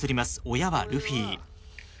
親はルフィ。